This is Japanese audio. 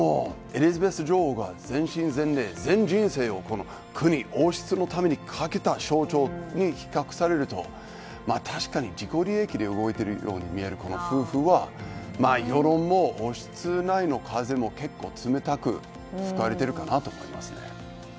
エリザベス女王が全身全霊全人生を国、王室のためにかけた象徴に比較されると、確かに自己利益で動いているように見える夫婦は世論も王室内の風も冷たく吹かれているかなと思いますね。